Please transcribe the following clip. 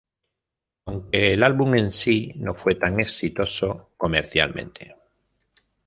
Aunque, el álbum en si, no fue tan exitoso comercialmente.